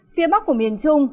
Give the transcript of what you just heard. phía bắc của miền trung